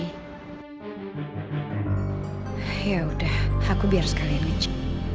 yaudah aku biar sekalian aja